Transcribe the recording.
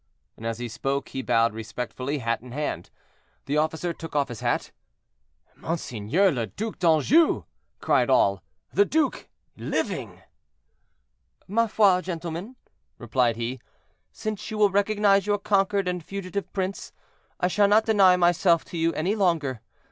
And as he spoke he bowed respectfully, hat in hand. The officer took off his hat. "Monseigneur le Duc d'Anjou!" cried all. "The duke, living!" "Ma foi, gentlemen," replied he, "since you will recognize your conquered and fugitive prince, I shall not deny myself to you any longer.